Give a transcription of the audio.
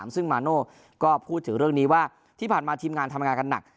ซึ่งมาโน่ก็พูดถึงเรื่องนี้ว่าที่ผ่านมาทีมงานทำงานกันหนัก